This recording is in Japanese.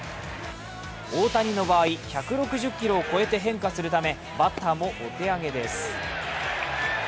大谷の場合、１６０キロを超えて変化するためバッターもお手上げです。